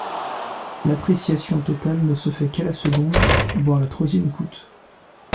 L'appréciation totale ne se fait qu'à la seconde, voire la troisième écoute.